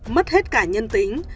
mất hết cả nhân tính